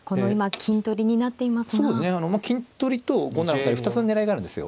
金取りと５七歩成２つの狙いがあるんですよ。